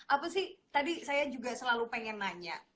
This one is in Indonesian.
apa sih tadi saya juga selalu pengen nanya